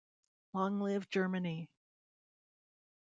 Long live Germany!